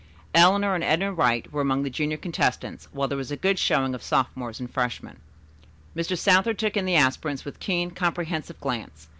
Eleanor and Edna Wright were among the junior contestants, while there was a good showing of sophomores and freshmen. Mr. Southard took in the aspirants with keen, comprehensive glance.